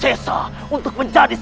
began dengan ini